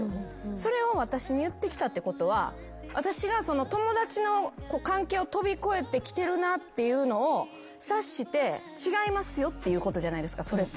それを私に言ってきたってことは私が。っていうのを察して違いますよっていうことじゃないですかそれって。